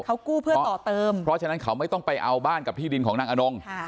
เขากู้เพื่อต่อเติมเพราะฉะนั้นเขาไม่ต้องไปเอาบ้านกับที่ดินของนางอนง